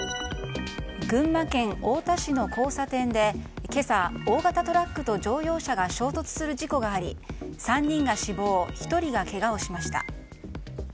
群馬県太田市の交差点で今朝、大型トラックと乗用車が衝突する事故があり、３人が死亡１人がけがをしました。